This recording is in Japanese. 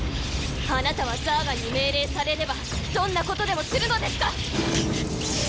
あなたはザーガンに命令されればどんなことでもするのですか！？